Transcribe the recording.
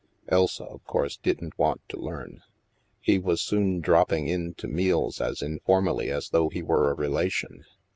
(Elsa, of course, didn't want to learn. ) He was soon dropping in to meaJs as informally as though he were a relation.